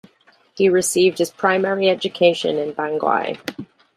He received his primary education in Bangui.